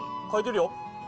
書いてるよ。